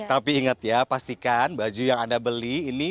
tapi ingat ya pastikan baju yang anda beli ini